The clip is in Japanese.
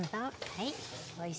はい。